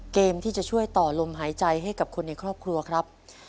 เกมที่จะช่วยต่อลมหายใจให้กับคนในครอบครัวครับ